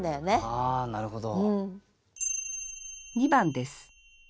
あなるほど。